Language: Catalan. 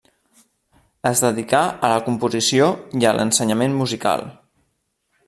Es dedicà a la composició i a l'ensenyament musical.